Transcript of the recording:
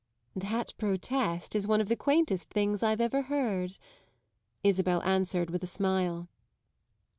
"That protest is one of the quaintest things I've ever heard," Isabel answered with a smile.